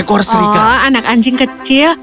oh anak anjing kecil